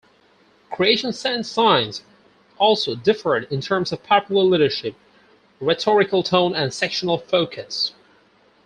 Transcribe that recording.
Creation science also differed in terms of popular leadership, rhetorical tone, and sectional focus.